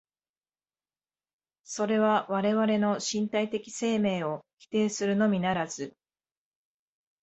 それは我々の身体的生命を否定するのみならず、